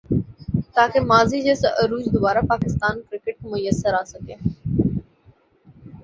تاکہ ماضی جیسا عروج دوبارہ پاکستان کرکٹ کو میسر آ سکے